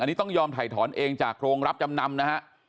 อันนี้ต้องยอมถ่ายถอนเองจากโรงรับจำนำนะฮะ